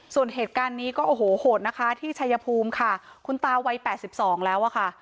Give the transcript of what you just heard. ส่วนเหตุการณ์นี้ก็โอ้โหโหดนะคะที่ชายภูมิค่ะคุณตาวัย๘๒แล้วอะค่ะ